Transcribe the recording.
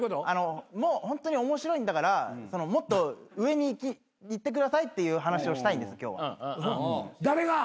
もうホントに面白いんだからもっと上にいってくださいって話をしたいんです今日は。誰が？